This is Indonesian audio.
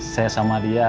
saya sama dia